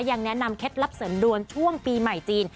ยังแนะนำเคล็ดลับเสริมดวงช่วงปีใหม่จีน